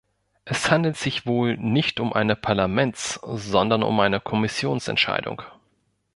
Es handelt sich wohl nicht um eine Parlaments-, sondern um eine Kommissionsentscheidung.